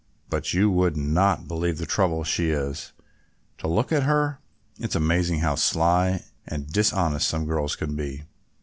But you would not believe the trouble she is, to look at her. It's amazing how sly and dishonest some girls can be.